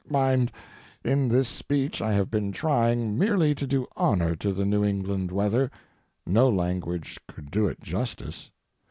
Mind, in this speech I have been trying merely to do honor to the New England weather—no language could do it justice.